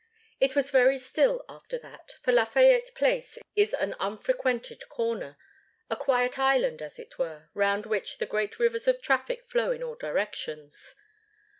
It was very still after that, for Lafayette Place is an unfrequented corner a quiet island, as it were, round which the great rivers of traffic flow in all directions.